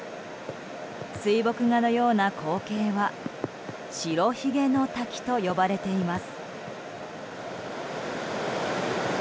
水墨画のような光景は白ひげの滝と呼ばれています。